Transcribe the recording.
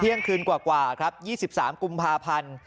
เที่ยงคืนกว่าครับ๒๓กุมภาพันธ์